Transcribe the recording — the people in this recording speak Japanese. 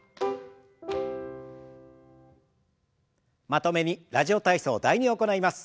まとめに「ラジオ体操第２」を行います。